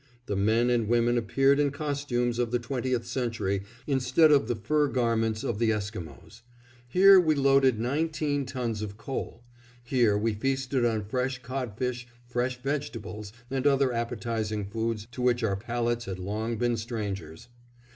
The men and women appeared in costumes of the Twentieth Century instead of the fur garments of the Esquimos. Here we loaded nineteen tons of coal. Here we feasted on fresh codfish, fresh vegetables, and other appetizing foods to which our palates had long been strangers.